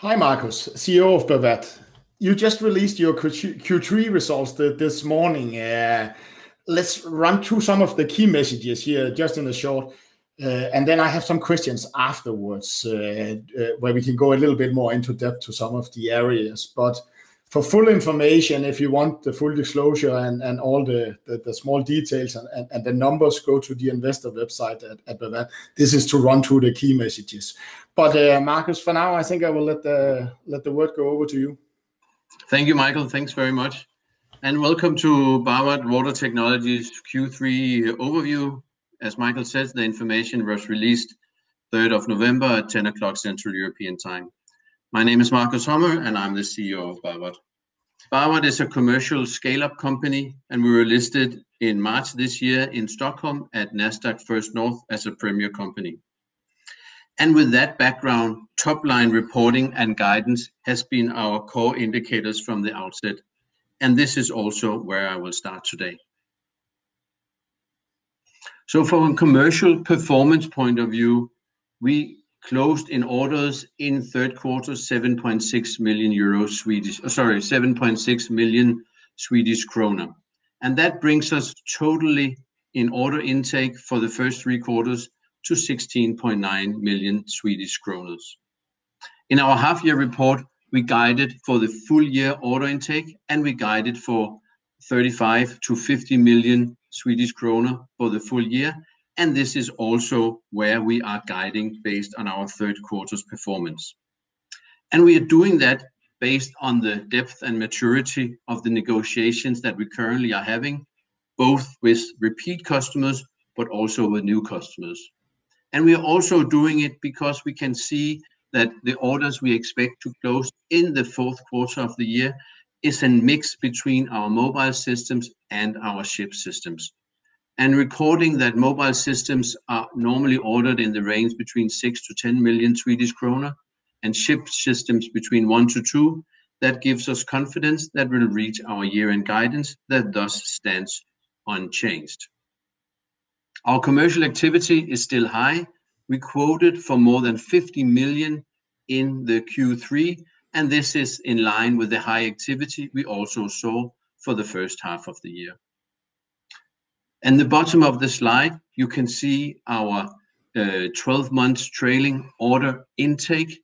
Hi, Marcus, CEO of Bawat. You just released your Q3 results this morning. Let's run through some of the key messages here just in the short, and then I have some questions afterwards, where we can go a little bit more into depth to some of the areas. For full information, if you want the full disclosure and all the small details and the numbers, go to the investor website at Bawat. This is to run through the key messages. Marcus, for now, I think I will let the word go over to you. Thank you, Michael. Thanks very much. Welcome to Bawat Water Technologies' Q3 overview. As Michael says, the information was released 3rd of November at 10:00 Central European Time. My name is Marcus Hummer, and I'm the CEO of Bawat. Bawat is a commercial scale-up company, and we were listed in March this year in Stockholm at Nasdaq First North as a premier company. With that background, top-line reporting and guidance has been our core indicators from the outset, and this is also where I will start today. From commercial performance point of view, we closed orders in third quarter SEK 7.6 million. That brings our total order intake for the first three quarters to 16.9 million Swedish kronor. In our half-year report, we guided for the full year order intake, and we guided for 35 million-50 million Swedish kronor for the full year, and this is also where we are guiding based on our third quarter's performance. We are doing that based on the depth and maturity of the negotiations that we currently are having, both with repeat customers but also with new customers. We are also doing it because we can see that the orders we expect to close in the fourth quarter of the year is a mix between our Mobile systems and our ship systems. Recognizing that mobile systems are normally ordered in the range between 6 million-10 million Swedish krona and ship systems between 1 million-2 million, that gives us confidence that we'll reach our year-end guidance that thus stands unchanged. Our commercial activity is still high. We quoted for more than 50 million in the Q3, and this is in line with the high activity we also saw for the first half of the year. In the bottom of the slide, you can see our 12-month trailing order intake.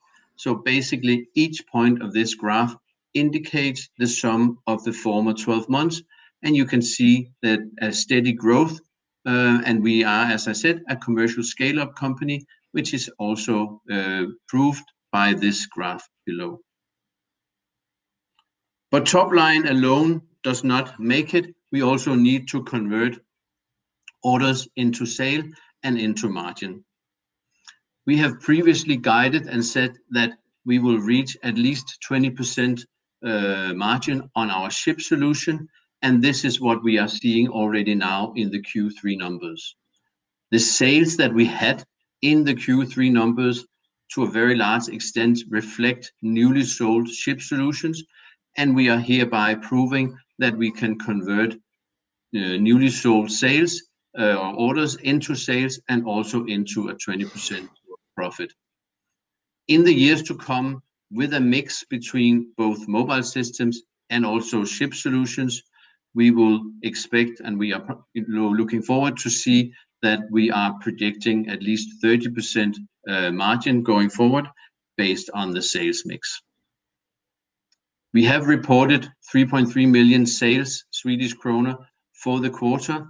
Basically, each point of this graph indicates the sum of the former 12 months, and you can see that a steady growth, and we are, as I said, a commercial scale-up company, which is also proved by this graph below. Top line alone does not make it. We also need to convert orders into sales and into margin. We have previously guided and said that we will reach at least 20% margin on our Ship Solutions, and this is what we are seeing already now in the Q3 numbers. The sales that we had in the Q3 numbers to a very large extent reflect newly sold Ship Solutions, and we are hereby proving that we can convert newly sold sales orders into sales and also into a 20% profit. In the years to come, with a mix between both mobile systems and also Ship Solutions, we will expect, and we are you know, looking forward to see that we are predicting at least 30% margin going forward based on the sales mix. We have reported 3.3 million sales for the quarter,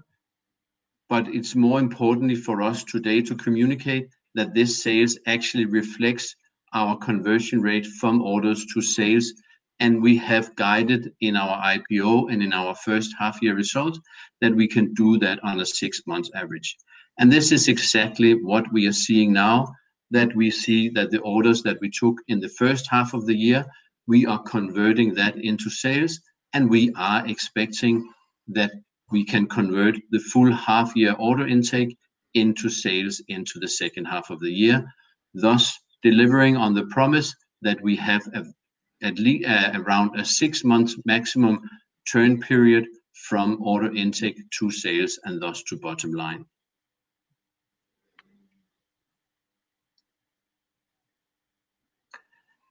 but it's more importantly for us today to communicate that this sales actually reflects our conversion rate from orders to sales, and we have guided in our IPO and in our first half-year results that we can do that on a six-month average. This is exactly what we are seeing now, that we see that the orders that we took in the first half of the year, we are converting that into sales, and we are expecting that we can convert the full half-year order intake into sales into the second half of the year, thus delivering on the promise that we have around a six-month maximum turn period from order intake to sales and thus to bottom line.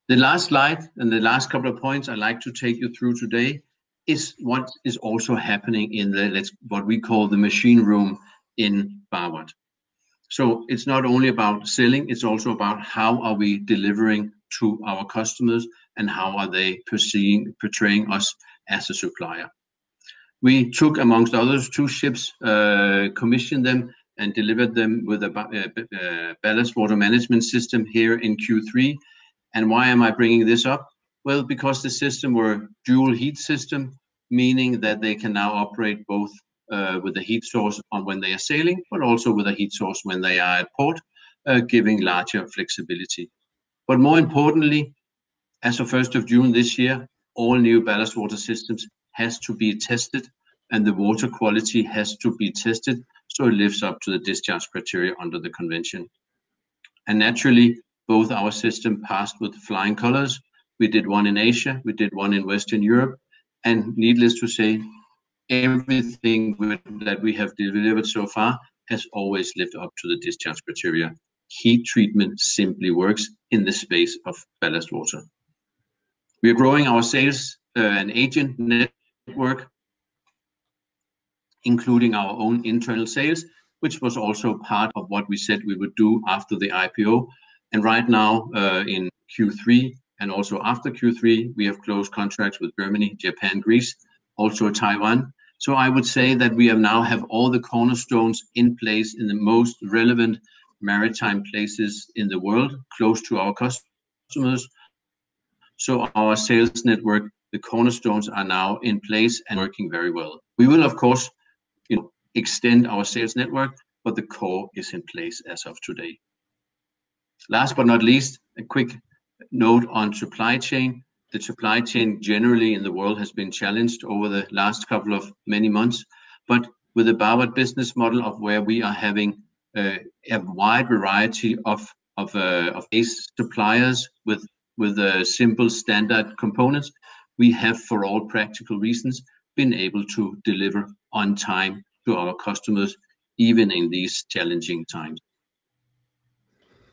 The last slide and the last couple of points I'd like to take you through today is what is also happening in the, what we call the machine room in Bawat. It's not only about selling, it's also about how are we delivering to our customers and how are they portraying us as a supplier. We took, among others, two ships, commissioned them and delivered them with a ballast water management system here in Q3. Why am I bringing this up? Well, because the system were dual heat system, meaning that they can now operate both with a heat source on when they are sailing, but also with a heat source when they are at port, giving larger flexibility. More importantly, as of first of June this year, all new ballast water systems has to be tested, and the water quality has to be tested, so it lives up to the discharge criteria under BWM Convention. Naturally, both our system passed with flying colors. We did one in Asia, we did one in Western Europe, and needless to say, everything we have delivered so far has always lived up to the discharge criteria. Heat treatment simply works in the space of ballast water. We are growing our sales and agent network, including our own internal sales, which was also part of what we said we would do after the IPO. Right now, in Q3 and also after Q3, we have closed contracts with Germany, Japan, Greece, also Taiwan. I would say that we now have all the cornerstones in place in the most relevant maritime places in the world, close to our customers. Our sales network, the cornerstones are now in place and working very well. We will, of course, you know, extend our sales network, but the core is in place as of today. Last but not least, a quick note on supply chain. The supply chain generally in the world has been challenged over the last couple of many months, but with the Bawat business model of where we are having a wide variety of OEM suppliers with simple standard components, we have, for all practical reasons, been able to deliver on time to our customers, even in these challenging times.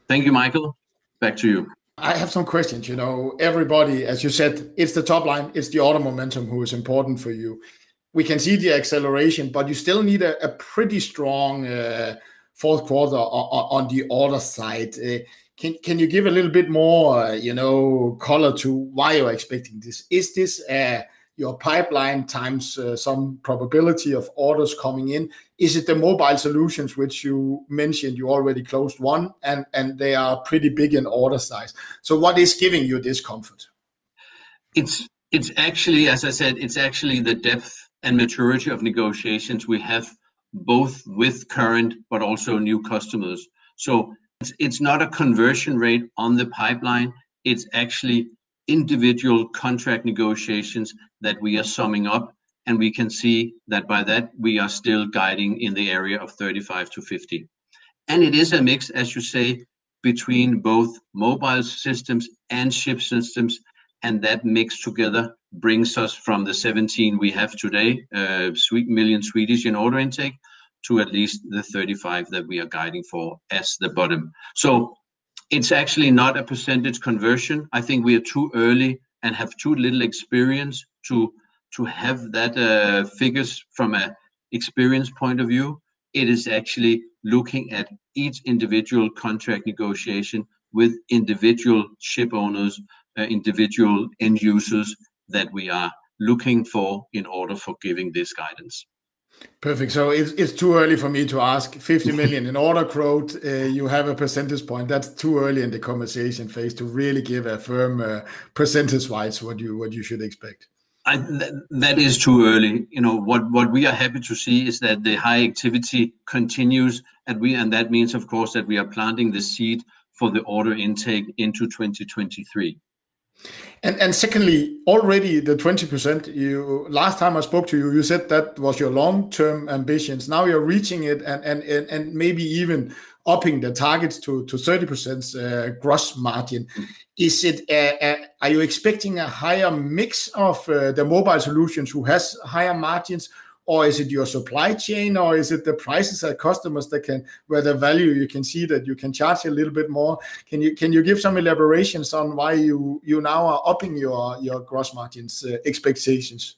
Thank you, Michael. Back to you. I have some questions. You know, everybody, as you said, it's the top line, it's the order momentum who is important for you. We can see the acceleration, but you still need a pretty strong fourth quarter on the order side. Can you give a little bit more, you know, color to why you are expecting this? Is this your pipeline times some probability of orders coming in? Is it the Mobile solutions which you mentioned you already closed one, and they are pretty big in order size. What is giving you this comfort? It's actually, as I said, the depth and maturity of negotiations we have both with current but also new customers. It's not a conversion rate on the pipeline, it's actually individual contract negotiations that we are summing up, and we can see that by that we are still guiding in the area of 30-50 million. It is a mix, as you say, between both mobile systems and ship systems, and that mix together brings us from the 17 million we have today, 17 million in order intake, to at least the 35 million that we are guiding for as the bottom. It's actually not a percentage conversion. I think we are too early and have too little experience to have that figures from an experience point of view. It is actually looking at each individual contract negotiation with individual ship owners, individual end users that we are looking for in order for giving this guidance. Perfect. It's too early for me to ask 50 million in order growth. You have a percentage point that's too early in the conversation phase to really give a firm percentage-wise what you should expect. That is too early. You know, what we are happy to see is that the high activity continues, and that means, of course, that we are planting the seed for the order intake into 2023. Secondly, already the 20%. Last time I spoke to you said that was your long-term ambitions. Now you're reaching it and maybe even upping the targets to 30% gross margin. Is it, are you expecting a higher mix of the Mobile solutions who has higher margins, or is it your supply chain, or is it the prices of customers where the value you can see that you can charge a little bit more? Can you give some elaborations on why you now are upping your gross margins expectations?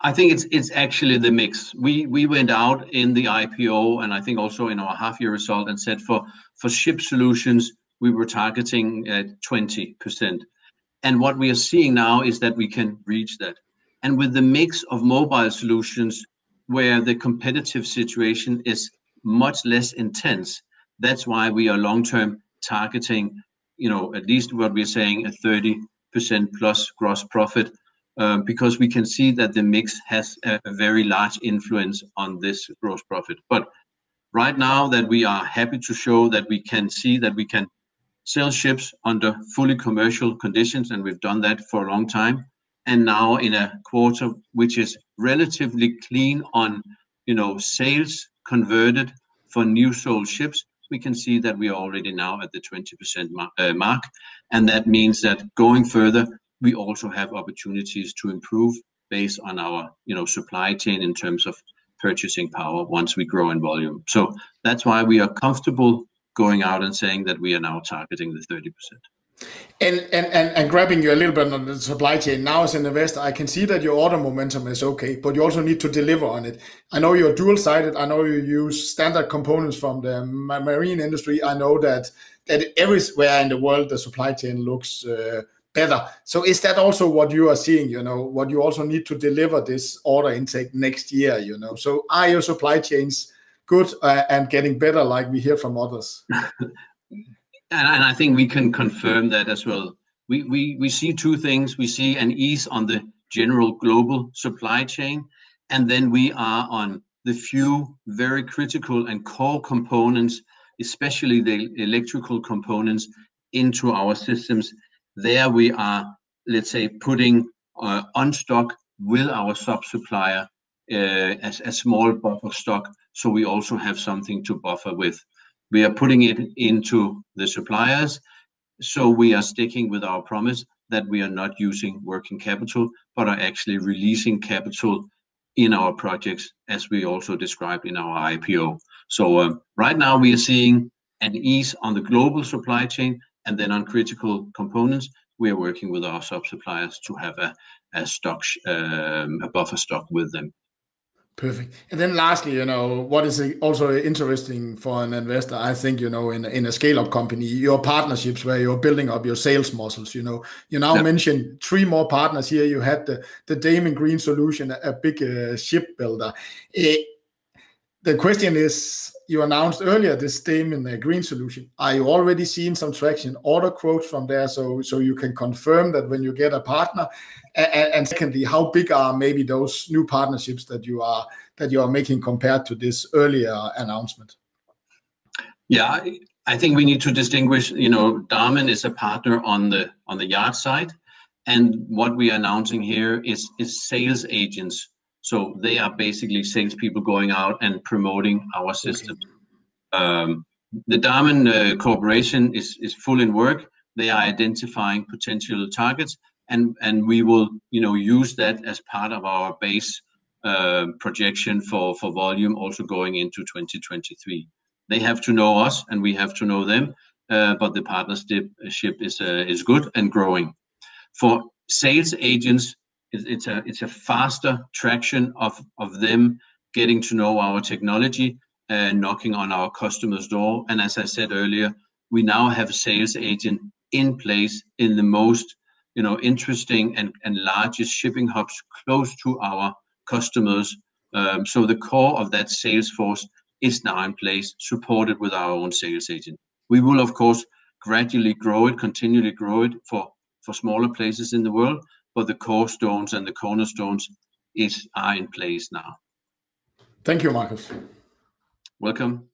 I think it's actually the mix. We went out in the IPO, and I think also in our half year result and said for Ship Solutions we were targeting 20%. What we are seeing now is that we can reach that. With the mix of Mobile solutions, where the competitive situation is much less intense, that's why we are long-term targeting, you know, at least what we're saying, a 30%+ gross profit, because we can see that the mix has a very large influence on this gross profit. Right now that we are happy to show that we can see that we can sell ships under fully commercial conditions, and we've done that for a long time. Now in a quarter, which is relatively clean on, you know, sales converted for new sold ships, we can see that we are already now at the 20% mark. That means that going further, we also have opportunities to improve based on our, you know, supply chain in terms of purchasing power once we grow in volume. That's why we are comfortable going out and saying that we are now targeting the 30%. Grabbing you a little bit on the supply chain. Now as an investor, I can see that your order momentum is okay, but you also need to deliver on it. I know you're dual-sided. I know you use standard components from the marine industry. I know that everywhere in the world the supply chain looks better. Is that also what you are seeing, you know, what you also need to deliver this order intake next year, you know? Are your supply chains good and getting better like we hear from others? I think we can confirm that as well. We see two things. We see an ease on the general global supply chain, and then we are behind on the few very critical and core components, especially the electrical components into our systems. There we are, let's say, putting in stock with our sub-supplier, a small buffer stock so we also have something to buffer with. We are putting it into the suppliers. We are sticking with our promise that we are not using working capital, but are actually releasing capital in our projects as we also described in our IPO. Right now we are seeing an ease on the global supply chain, and then on critical components we are working with our sub-suppliers to have a stock, a buffer stock with them. Perfect. Lastly, you know, what is also interesting for an investor, I think, you know, in a scale-up company, your partnerships where you're building up your sales muscles, you know? Yeah. You now mentioned three more partners here. You have the Damen Green Solutions, a big ship builder. The question is, you announced earlier the Damen Green Solutions. Are you already seeing some traction order quotes from there, so you can confirm that when you get a partner? Secondly, how big are maybe those new partnerships that you are making compared to this earlier announcement? Yeah. I think we need to distinguish, you know, Damen is a partner on the yard side, and what we are announcing here is sales agents. They are basically sales people going out and promoting our system. The Damen cooperation is full in work. They are identifying potential targets and we will, you know, use that as part of our base projection for volume also going into 2023. They have to know us and we have to know them, but the partnership is good and growing. For sales agents it's a faster traction of them getting to know our technology and knocking on our customer's door. As I said earlier, we now have sales agent in place in the most, you know, interesting and largest shipping hubs close to our customers. So the core of that sales force is now in place, supported with our own sales agent. We will of course gradually grow it continually for smaller places in the world, but the cornerstones are in place now. Thank you, Marcus. Welcome.